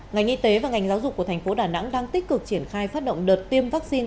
ngành y tế và ngành giáo dục của thành phố đà nẵng đang tích cực triển khai phát động đợt tiêm vaccine